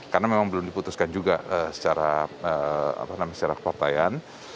karena memang belum diputuskan juga secara keportayan